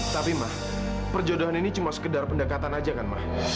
tapi mah perjodohan ini cuma sekedar pendekatan aja kan mah